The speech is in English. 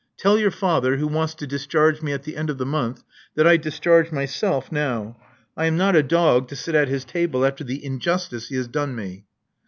Tell your father, who wants to dis charge me at the end of the month, that I discharge myself now. I am not a dog, to sit at his table after the injustice he has done me."